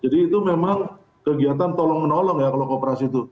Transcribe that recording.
jadi itu memang kegiatan tolong menolong ya kalau koperasi itu